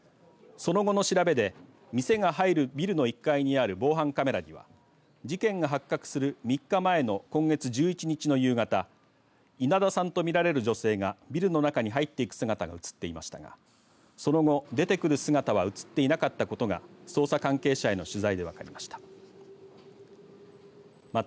その後の調べで店が入るビルの１階にある防犯カメラで事件が発覚する３日前の今月１１日の夕方稲田さんとみられる女性がビルの中に入っていく姿が写っていましたがその後、出てくる姿は写っていなかったことが捜査関係者への取材で分かりました。